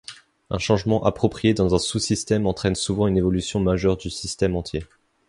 Un changement approprié dans un sous-système entraîne souvent une évolution majeure du système entier.